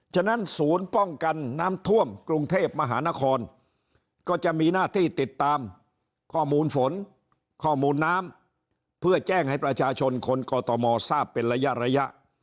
ฉะนั้นศูนย์ป้องกันน้ำท่วมกรุงเทพมหานครก็จะมีหน้าที่ติดตามข้อมูลฝนข้อมูลน้ำเพื่อแจ้งให้ประชาชนคนกตมทราบเป็นระยะ